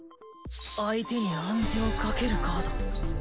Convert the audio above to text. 相手に暗示をかけるカード。